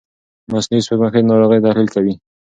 مصنوعي سپوږمکۍ د ناروغۍ تحلیل کوي.